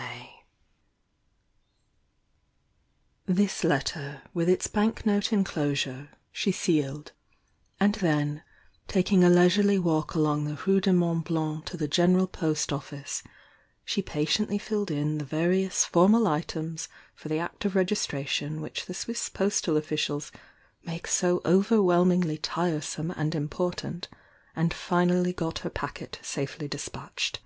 THE YOUNG DIANA l.'l This letter, with its bank note enclosure, she sealed; and then, taking a leisurely walk along the Rue du Mont Blanc to the General Post Office, she patiently filled in the various formal items for the act of registration which the Swiss postal officials make so overwhelmingly tiresome and important, and finally got her packet safely despatched.